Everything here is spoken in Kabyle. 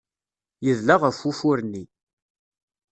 Yedla ɣef wufur-nni.